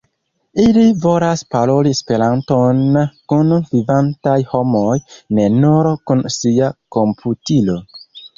Ili volas paroli Esperanton kun vivantaj homoj, ne nur kun sia komputilo.